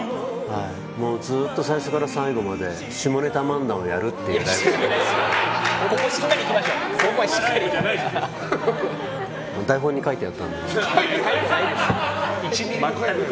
ずっと最初から最後まで下ネタ漫談をやるっていうライブをやるんですけど。